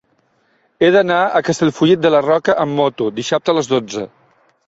He d'anar a Castellfollit de la Roca amb moto dissabte a les dotze.